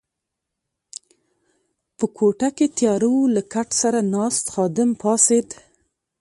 په کوټه کې تیاره وه، له کټ سره ناست خادم پاڅېد.